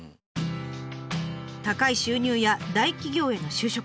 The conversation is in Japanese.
高い収入や大企業への就職。